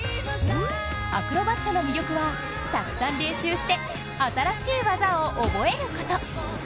アクロバットの魅力はたくさん練習して新しい技を覚えること。